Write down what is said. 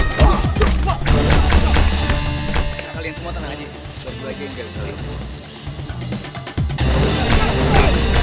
kalian pikir kalian sudah aman dan lolos dari geng black hole